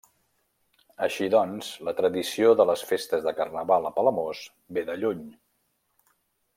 Així doncs, la tradició de les festes de Carnaval a Palamós ve de lluny.